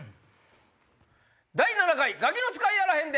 第７回『ガキの使いやあらへんで！』。